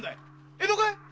江戸かい？